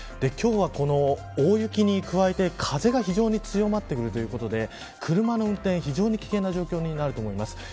今日は、この大雪に加えて風が非常に強まってくるということで車の運転、非常に危険な状況になると思います。